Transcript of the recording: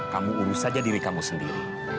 kamu urus saja diri kamu sendiri